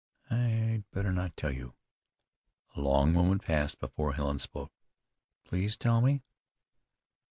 "I'd better not tell you." A long moment passed before Helen spoke. "Please tell me!"